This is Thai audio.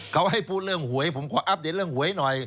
เขาให้พูดเรื่องหวยผมก็อัปเดตเรื่องหวยหน่อย